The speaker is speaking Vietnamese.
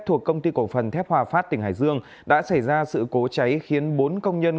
thuộc công ty cổ phần thép hòa phát tỉnh hải dương đã xảy ra sự cố cháy khiến bốn công nhân